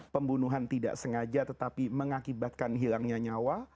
pembunuhan tidak sengaja tetapi mengakibatkan hilangnya nyawa